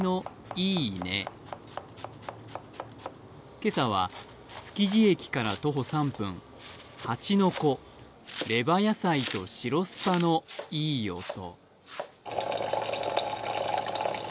今朝は築地駅から徒歩３分蜂の子、レバヤサイと白スパのいい音。